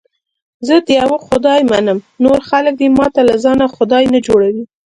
زه د یوه خدای منم، نور خلک دې ماته له ځانه خدای نه جوړي.